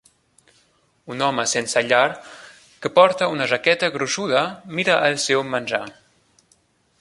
Un home sense llar que porta una jaqueta gruixuda mira el seu menjar.